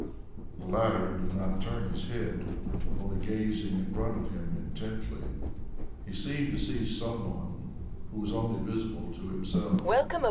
but the latter did not turn his head, only gazing in front of him intently. He seemed to see some one who was only visible to himself.